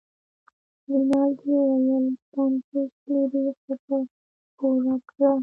رینالډي وویل پنځوس لیرې خو په پور راکړه.